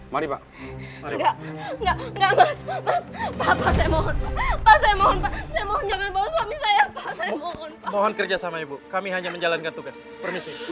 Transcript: mohon kerjasama ibu kami hanya menjalankan tugas